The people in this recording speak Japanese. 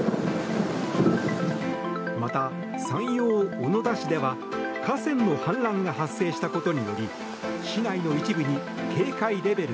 また、山陽小野田市では河川の氾濫が発生したことにより市内の一部に警戒レベル